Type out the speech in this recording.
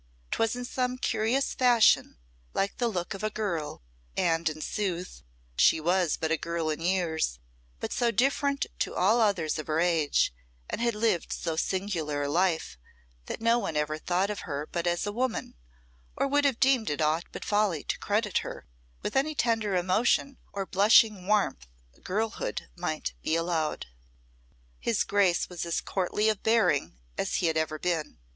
'Twas in some curious fashion like the look of a girl; and, in sooth, she was but a girl in years, but so different to all others of her age, and had lived so singular a life, that no one ever thought of her but as a woman, or would have deemed it aught but folly to credit her with any tender emotion or blushing warmth girlhood might be allowed. His Grace was as courtly of bearing as he had ever been.